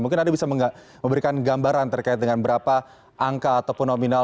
mungkin anda bisa memberikan gambaran terkait dengan berapa angka ataupun nominal